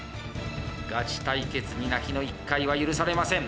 ガチ対決に泣きの一回は許されません。